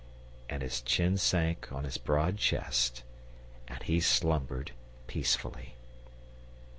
And his chin sank on his broad chest and he slumbered peacefully.